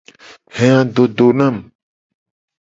He adodo nam.